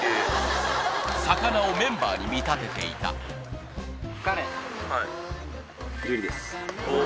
魚をメンバーに見立てていた彼樹です